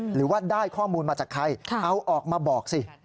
หรือว่าได้ข้อมูลมาจากใครเอาออกมาบอกสิ